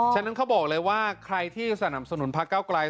ฉะนั้นเขาบอกเลยว่าใครที่สนับสนุนพระเก้าไกล